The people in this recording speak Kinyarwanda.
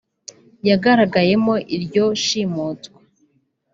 yagaragayemo iryo shimutwa